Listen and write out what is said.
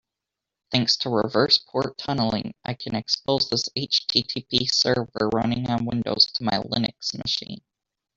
Thanks to reverse port tunneling, I can expose this HTTP server running on Windows to my Linux machine.